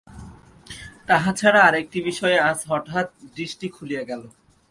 তাহা ছাড়া আর একটি বিষয়ে আজ হঠাৎ দৃষ্টি খুলিয়া গেল।